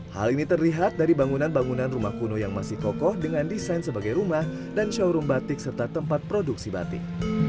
hal ini terlihat dari bangunan bangunan rumah kuno yang masih kokoh dengan desain sebagai rumah dan showroom batik serta tempat produksi batik